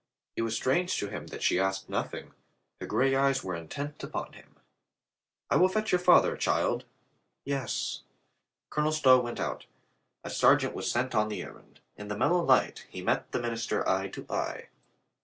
It was strange to him that she asked nothing. Her gray eyes were intent upon him. "I will fetch your father, child." "Yes." Colonel Stow went out. A sergeant was sent on the errand. In the mellow light he met the min ister eye to eye.